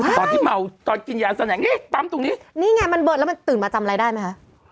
ตอนที่เมาตอนกินยาแสดงเอ๊ะปั๊มตรงนี้นี่ไงมันเบิดแล้วมันตื่นมาจำอะไรได้ไหมคะ